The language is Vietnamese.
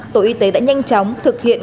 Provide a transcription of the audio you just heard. tổ y tế đã nhanh chóng thực hiện